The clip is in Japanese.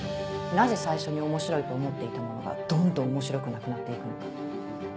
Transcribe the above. なぜ最初に面白いと思っていたものがどんどん面白くなくなって行くのか。